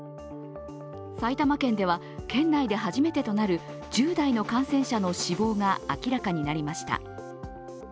埼玉県では県内で初めてとなる１０代の感染者の死亡が明らかになりました。